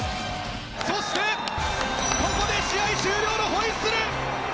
そしてここで試合終了のホイッスル！